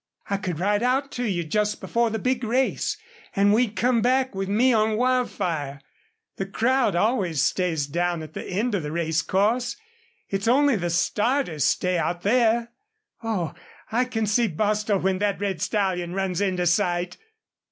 I could ride out to you just before the big race, and we'd come back, with me on Wildfire. The crowd always stays down at the end of the racecourse. Only the starters stay out there.... Oh, I can see Bostil when that red stallion runs into sight!"